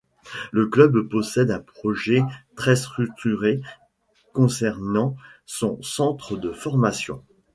Le club possède un projet très structuré concernant son centre de formation.